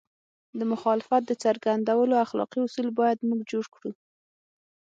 د مخالفت د څرګندولو اخلاقي اصول باید موږ جوړ کړو.